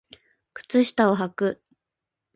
靴下をはく